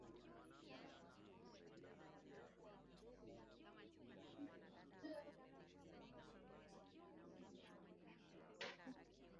Moja ya mito inayojulikana ulimwenguni kwa kuwa